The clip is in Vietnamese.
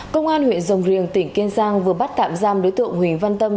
công an huyện rồng riềng tỉnh kiên giang vừa bắt tạm giam đối tượng huỳnh văn tâm